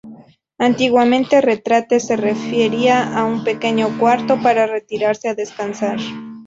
Antiguamente, retrete se refería a un pequeño cuarto para retirarse a descansar.